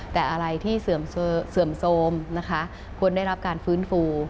แต่อะไรที่เสื่อมโทรมนะคะควรได้รับการฟื้นฟู